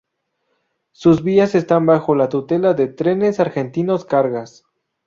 Sus vías están bajo la tutela de Trenes Argentinos Cargas.